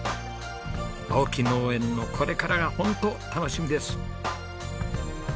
青木農園のこれからがホント楽しみです。